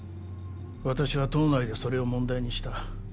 私は党内でそれを問題にした。